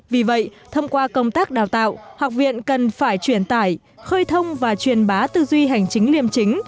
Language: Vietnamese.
vì vậy thông qua công tác đào tạo học viện cần phải truyền tải khơi thông và truyền bá tư duy hành chính liêm chính